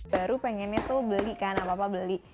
baru pengennya tuh beli kan apa apa beli